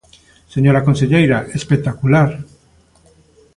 Señora conselleira, ¡espectacular!